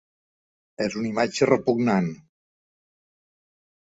És una imatge repugnant.